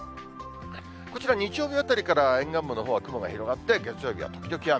こちら、日曜日あたりから沿岸部のほうは雲が広がって、月曜日は時々雨。